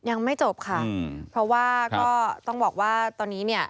ยังไม่จบค่ะเพราะว่าก็ต้องบอกว่าตอนนี้เนี่ย